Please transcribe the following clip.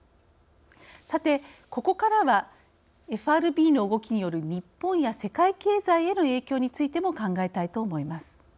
さてここからはＦＲＢの動きによる日本や世界経済への影響についても考えたいと思います。